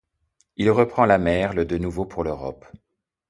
Il reprend la mer le de nouveau pour l'Europe.